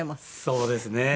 そうですねはい。